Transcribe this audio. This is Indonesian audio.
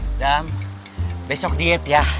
adam besok diet ya